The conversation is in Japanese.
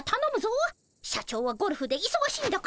社長はゴルフでいそがしいんだからな。